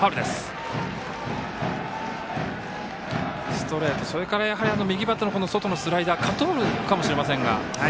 ストレート、それから右バッターの外のスライダーカットボールかもしれませんが。